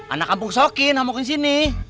anak kampung sokin gak mau kesini